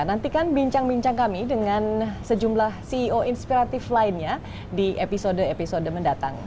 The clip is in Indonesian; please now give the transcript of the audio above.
nantikan bincang bincang kami dengan sejumlah ceo inspiratif lainnya di episode episode mendatang